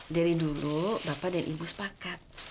dari dulu bapak dan ibu sepakat